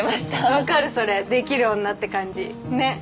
わかるそれできる女って感じねっ！